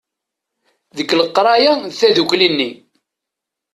Deg leqraya d tdukkli-nni.